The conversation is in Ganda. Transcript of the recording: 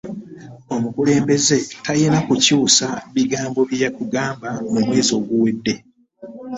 Omukulembeze talina kukyusa bigambo byeyatugamba mu mwezi oguwede.